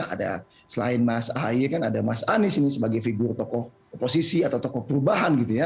ada selain mas ahaye kan ada mas anies ini sebagai figur tokoh oposisi atau tokoh perubahan gitu ya